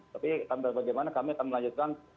tapi bagaimana kami akan melanjutkan